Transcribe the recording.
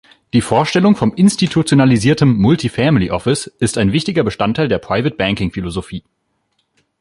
Die Vorstellung vom institutionalisierten Multi Family Office ist ein wichtiger Bestandteil der Private Banking-Philosophie.